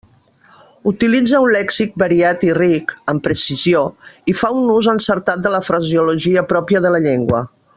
Utilitza un lèxic variat i ric, amb precisió, i fa un ús encertat de la fraseologia pròpia de la llengua.